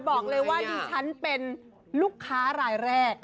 บอกเลยว่าดิฉันเป็นลูกค้ารายแรก